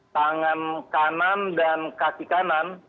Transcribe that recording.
tangan kanan dan kaki kanan